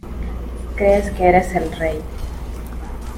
Crees que eres el rey.